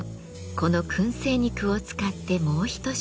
この燻製肉を使ってもう一品。